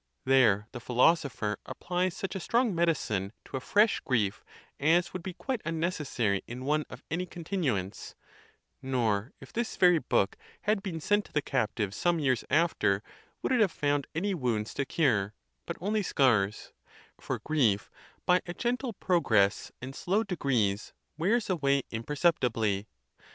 There the philosopher applies such a strong medicine to a fresh grief as would be quite unnecessary in one of any continuance; nor, if this very book had been sent to the captives some years after, would it have found any wounds to cure, but only scars; for grief, by a gen tle progress and slow degrees, wears away imperceptibly.